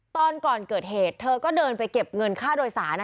ตอนก่อนเกิดเหตุเธอก็เดินไปเก็บเงินค่าโดยสาร